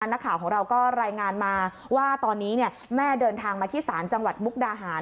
นักข่าวของเราก็รายงานมาว่าตอนนี้แม่เดินทางมาที่ศาลจังหวัดมุกดาหาร